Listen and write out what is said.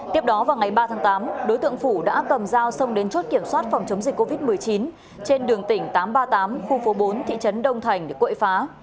tiếp đó vào ngày ba tháng tám đối tượng phủ đã cầm dao xông đến chốt kiểm soát phòng chống dịch covid một mươi chín trên đường tỉnh tám trăm ba mươi tám khu phố bốn thị trấn đông thành để quậy phá